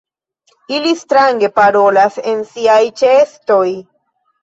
Ili strange parolas en siaj ĉeestoj.